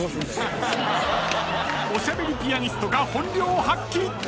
［おしゃべりピアニストが本領発揮！］